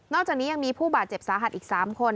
จากนี้ยังมีผู้บาดเจ็บสาหัสอีก๓คน